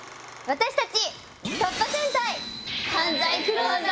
私たち。